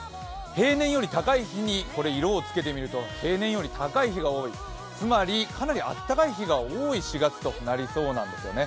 平年より高い日に、色をつけてみると、平年より高い日が多い、つまりかなりあったかい日が多い４月ということなんですね。